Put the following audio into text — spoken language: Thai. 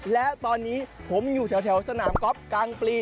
และตอนนี้ผมอยู่แถวสนามก๊อฟกลางปลี